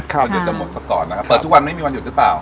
จะหมดมาซักก่อนเปิดทุกวันไม่มีวันหยดหรือเปล่า